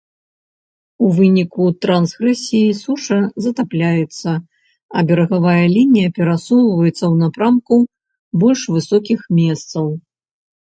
У выніку трансгрэсіі суша затапляецца, а берагавая лінія перасоўваецца ў напрамку больш высокіх месцаў.